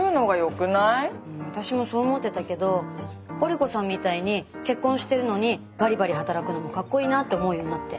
私もそう思ってたけど織子さんみたいに結婚してるのにバリバリ働くのもかっこいいなって思うようになって。